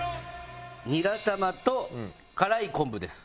ニラ玉と辛い昆布です。